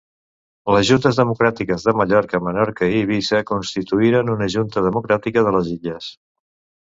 Les juntes democràtiques de Mallorca, Menorca i Eivissa constituïren una Junta Democràtica de les Illes.